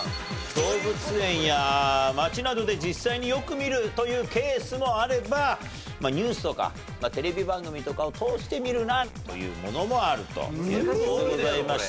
動物園や街などで実際によく見るというケースもあればニュースとかテレビ番組とかを通して見るなというものもあるという事でございまして。